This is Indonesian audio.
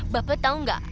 bapak tahu tidak